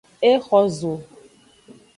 E xo zo.